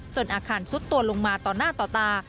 อาคารซุดตัวลงมาต่อหน้าต่อตา